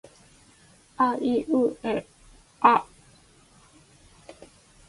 あいうえあ